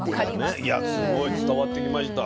すごい伝わってきました。